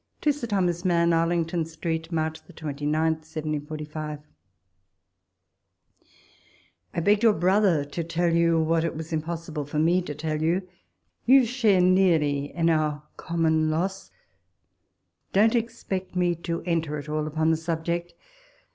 To Sir Horace Mann. Arlington Street, March 29, 1745. I BEGGED your brother to tell you what it was impossible for me to tell you. You share nearly in our common loss! Don't expect me to enter at all upon the subject.